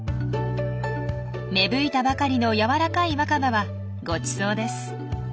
芽吹いたばかりの軟らかい若葉はごちそうです。